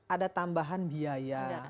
ada tambahan biaya